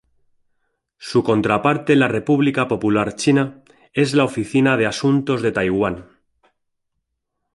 Su contraparte en la República Popular China es la Oficina de Asuntos de Taiwán.